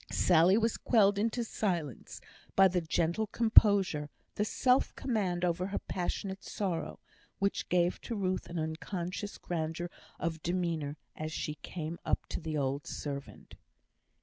Sally was quelled into silence by the gentle composure, the self command over her passionate sorrow, which gave to Ruth an unconscious grandeur of demeanour as she came up to the old servant.